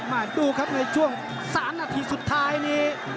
มาดูครับในช่วง๓นาทีสุดท้ายนี้